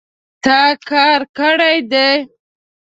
تا کار کړی دی